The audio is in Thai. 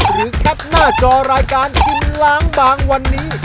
แคปหน้าจอรายการกินล้างบางวันนี้